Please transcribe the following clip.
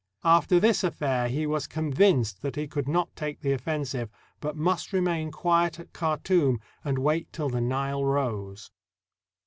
After this affair he was convinced that he could not take the offensive, but must remain quiet at Khartoum, and wait till the Nile rose.